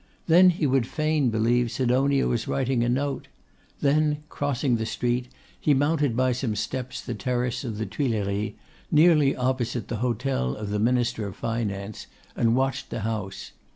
Then he would fain believe Sidonia was writing a note. Then, crossing the street, he mounted by some steps the terrace of the Tuileries, nearly opposite the Hotel of the Minister of Finance, and watched the house.